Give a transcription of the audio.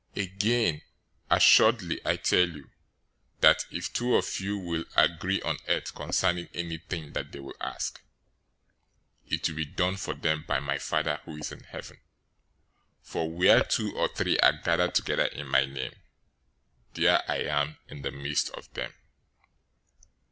018:019 Again, assuredly I tell you, that if two of you will agree on earth concerning anything that they will ask, it will be done for them by my Father who is in heaven. 018:020 For where two or three are gathered together in my name, there I am in the midst of them."